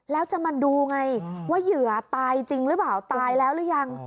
แล้วจะมาดูไงว่าเหยื่อตายจริงหรือเปล่าตายแล้วหรือยัง